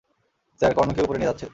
Sir, কর্ণকে উপরে নিয়ে যাচ্ছে।